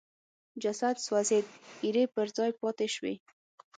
جسد سوځېد ایرې پر ځای پاتې شوې.